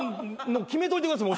決めといてください